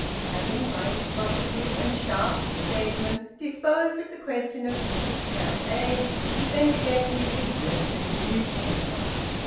Having by this positive and sharp statement disposed of the question of Mrs Hamps's age, he bent again with eagerness to his newspaper.